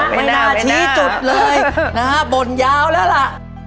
ไม่น่าชี้จุดเลยนะฮะบ่นยาวแล้วล่ะ